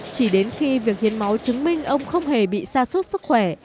chỉ đến khi việc hiến máu chứng minh ông không hề bị sa sút sức khỏe